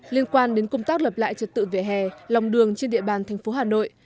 liên quan đến công tác lập lại trật tự vệ hè lòng đường trên địa bàn thành phố hà nội